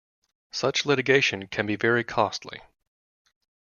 Such litigation can be very costly.